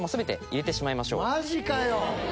マジかよ！